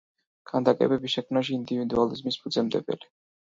ქანდაკებების შექმნაში ინდივიდუალიზმის ფუძემდებელი.